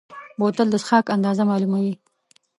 بوتل د څښاک اندازه معلوموي.